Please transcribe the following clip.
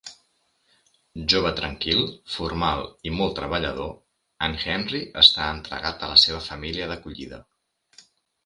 Jove tranquil, formal i molt treballador, en Henry està entregat a la seva família d'acollida.